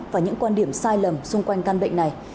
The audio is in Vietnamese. và những quan điểm sai lầm xung quanh căn bệnh này